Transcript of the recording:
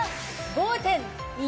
５．１